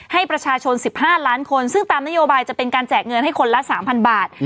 ให้ประชาชน๑๕ล้านคนซึ่งตามนโยบายจะเป็นการแจกเงินให้คนละ๓๐๐บาท